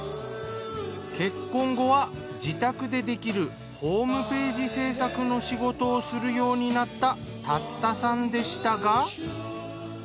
結婚後は自宅でできるホームページ制作の仕事をするようになった竜田さんでしたが。